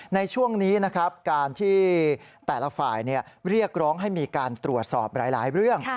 ในช่วงนี้นะครับการที่แต่ละฝ่ายเรียกร้องให้มีการตรวจสอบหลายเรื่อง